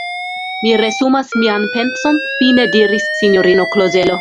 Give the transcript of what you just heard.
Mi resumas mian penson, fine diris sinjorino Klozelo.